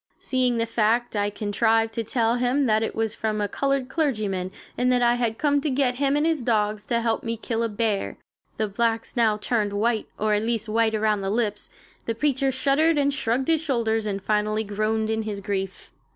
Seeing the fact, I contrived to tell him that it was from a colored clergyman, and that I had come to get him and his dogs to help me kill a bear. The blacks now turned white; or at least white around the lips. The preacher shuddered and shrugged his shoulders and finally groaned in his grief.